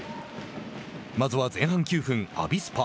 まずは前半９分、アビスパ。